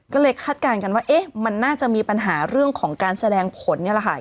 ก็เลยคาดการณ์กันว่าเอ๊ะมันน่าจะมีปัญหาเรื่องของการแสดงผลนี่แหละค่ะ